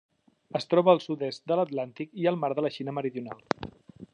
Es troba al sud-est de l'Atlàntic i al Mar de la Xina Meridional.